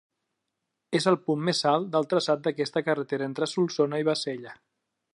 És el punt més alt del traçat d'aquesta carretera entre Solsona i Bassella.